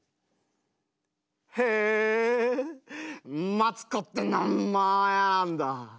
「へえマツコって名前なんだ。